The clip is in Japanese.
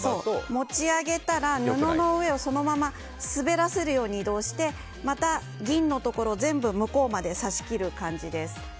持ち上げたら布の上をそのまま滑らせるように移動してまた、銀のところ全部向こうまで刺し切る感じです。